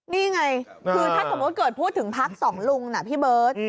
นี่ไงคือถ้าสมมุติเกิดพูดถึงพักสองลุงนะพี่เบิร์ต